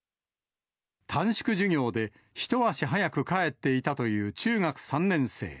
短縮授業で一足早く帰っていたという中学３年生。